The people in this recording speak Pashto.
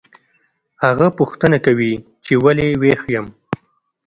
هغه پوښتنه کوي چې ولې ویښ یم